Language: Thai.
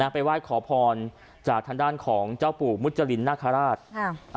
ไปไหว้ขอพรจากทางด้านของเจ้าปู่มุจรินนาคาราช